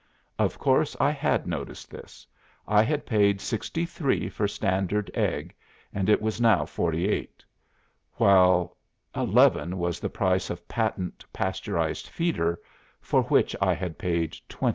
'" "Of course I had noticed this. I had paid 63 for Standard Egg, and it was now 48, while 11 was the price of Patent Pasteurized Feeder, for which I had paid 20.